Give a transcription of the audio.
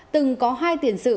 từng có hai tiền sự